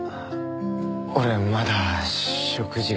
俺まだ食事が。